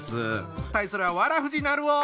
対するはわらふぢなるお！